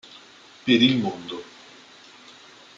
Per il mondo.